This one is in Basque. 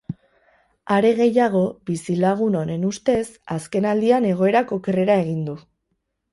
Are gehiago, bizilagun honen ustez, azkenaldian egoerak okerrera egin du.